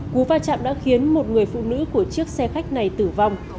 cú va chạm đã khiến một người phụ nữ của chiếc xe khách này tử vong